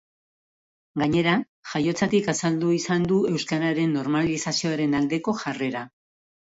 Gainera, jaiotzatik azaldu izan du euskararen normalizazioaren aldeko jarrera.